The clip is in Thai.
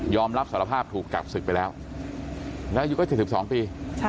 ยอมรับสารภาพถูกกลับศึกไปแล้วอายุก็๗๒ปี